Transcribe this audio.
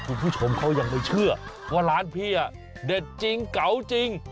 คุณผู้ชมเขายังไม่เชื่อว่าร้านพี่เด็ดจริงเก๋าจริง